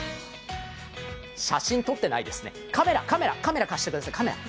写真撮ってないですね、カメラ貸してください。